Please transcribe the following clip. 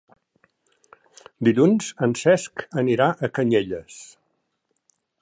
Dilluns en Cesc anirà a Canyelles.